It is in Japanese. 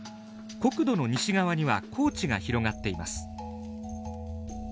国土の西側には高地が広がっています。